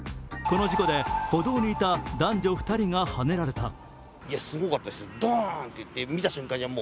この事故で歩道にいた男女２人がはねられた。